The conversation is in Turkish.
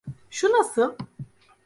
Şu nasıl?